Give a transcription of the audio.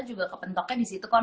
juga kepentoknya di situ kok nom